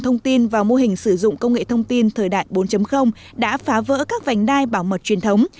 thông tin và mô hình sử dụng công nghệ thông tin thời đại bốn đã phá vỡ các vành đai bảo mật truyền thống